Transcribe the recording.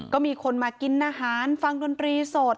ก็มีคนมากินอาหารฟังดนตรีสด